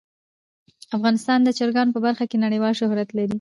افغانستان د چرګانو په برخه کې نړیوال شهرت لري.